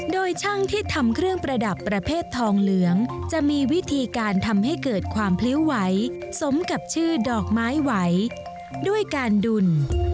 โดยช่างที่ทำเครื่องประดับประเภททองเหลืองจะมีวิธีการทำให้เกิดความพลิ้วไหวสมกับชื่อดอกไม้ไหวด้วยการดุล